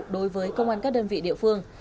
đối với công an các đơn vị địa phương